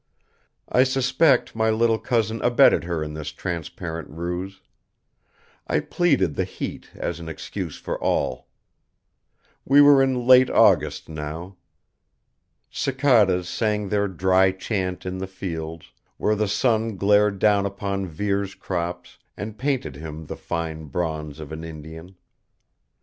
I suspect my little cousin abetted her in this transparent ruse. I pleaded the heat as an excuse for all. We were in late August now. Cicadas sang their dry chant in the fields, where the sun glared down upon Vere's crops and painted him the fine bronze of an Indian.